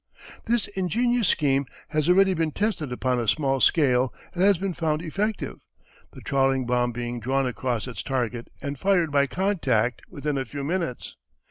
This ingenious scheme has already been tested upon a small scale and has been found effective, the trawling bomb being drawn across its target and fired by contact within a few minutes.